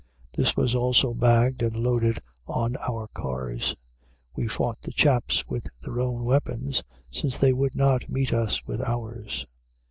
This was also bagged and loaded on our cars. We fought the chaps with their own weapons, since they would not meet us with ours.